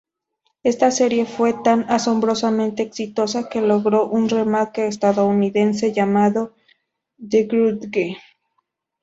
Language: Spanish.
Esta serie fue tan asombrosamente exitosa que logró un remake estadounidense llamado The Grudge.